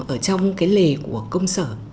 ở trong cái lề của công sở